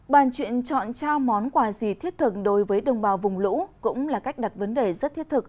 bàn chuyện chọn trao món quà gì thiết thực đối với đồng bào vùng lũ cũng là cách đặt vấn đề rất thiết thực